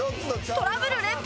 トラブル連発？